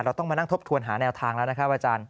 ต้องมานั่งทบทวนหาแนวทางแล้วนะครับอาจารย์